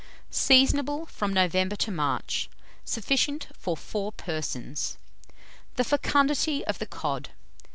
Seasonable from November to March. Sufficient for 4 persons. THE FECUNDITY OF THE COD.